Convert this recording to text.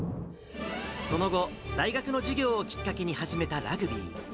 その後、大学の授業をきっかけに始めたラグビー。